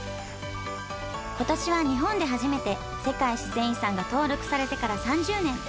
今年は日本で初めて世界自然遺産が登録されてから３０年。